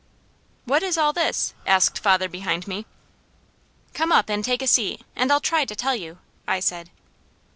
"What is all this?" asked father behind me. "Come up and take a seat, and I'll try to tell you," I said.